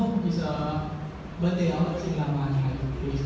คุณคิดว่าเกินเท่าไหร่หรือไม่เกินเท่าไหร่